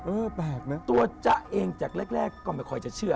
เออแปลกนะตัวจะเองจากแรกก่อนไปคอยจะเชื่อ